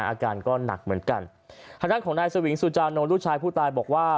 อาการก็หนักเหมือนกันทางด้านของนายสวิงสุจานนท์ลูกชายผู้ตายบอกว่า